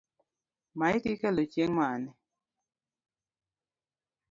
Maiti ikelo chieng’ mane?